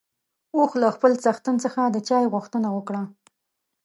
اوښ له خپل څښتن څخه د چای غوښتنه وکړه.